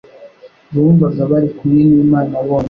bumvaga bari kumwe n'Imana bonyine.